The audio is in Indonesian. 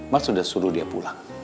mas sudah suruh dia pulang